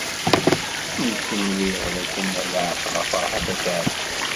Nekk nwiɣ dakken ad tɛeqleḍ Ferḥat n At Ɛebbas.